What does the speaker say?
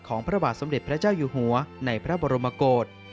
พระบาทสมเด็จพระเจ้าอยู่หัวในพระบรมกฏ